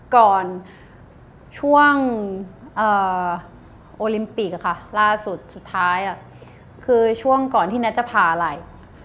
ก่อนช่วงโอลิมปิกค่ะล่าสุดสุดท้ายคือช่วงก่อนที่แท็ตจะพาอะไร